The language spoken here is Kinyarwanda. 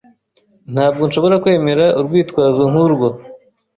Ntabwo nshobora kwemera urwitwazo nkurwo.